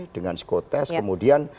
dengan sekotest kemudian